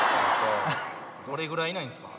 どれぐらいいないんすか？